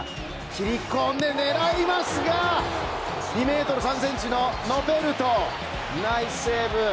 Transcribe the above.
切り込んで狙いますが２ｍ３ｃｍのノペルト！ナイスセーブ。